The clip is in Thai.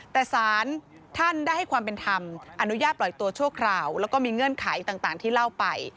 แต่สารท่านได้ให้ความเป็นธรรมอนุญาตปล่อยตัวชั่วคราวแล้วก็มีเงื่อนไขต่างที่เล่าไป